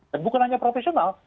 dan bukan hanya profesional